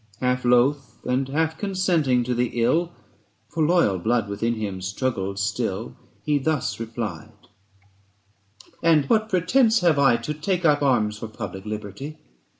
Half loth and half consenting to the ill, For loyal blood within him struggled still, He thus replied: 'And what pretence have I 315 To take up arms for public liberty